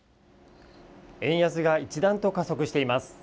円安が一段と加速しています。